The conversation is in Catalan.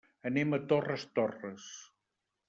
Anem a Torres Torres.